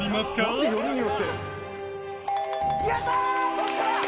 やったー！